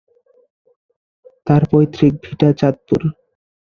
তার পৈতৃক ভিটা চাঁদপুর।